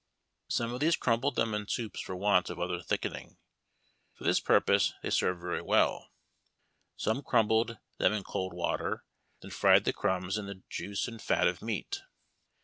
Some of these crumbed them in soups for want of other thickening. For this purpose they served very well. Some FKYIN<i HARDTACK. crumbed them in cold water, then fried the crumbs in the juice and fat of meat.